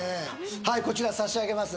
はいこちら差し上げます